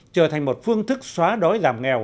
trở thành một phương thức xóa đói giảm nghèo